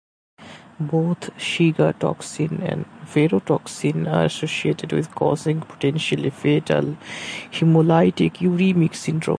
Both Shiga toxin and verotoxin are associated with causing potentially fatal hemolytic uremic syndrome.